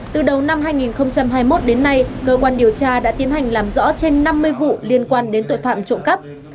từ đầu năm hai nghìn hai mươi một đến nay cơ quan điều tra đã tiến hành làm rõ trên năm mươi vụ liên quan đến tội phạm trộm cắp